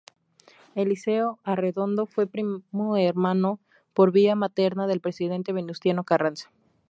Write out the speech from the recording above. Eliseo Arredondo fue primo hermano, por vía materna, del presidente Venustiano Carranza.